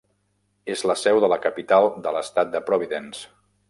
És la seu de la capital de l'estat de Providence.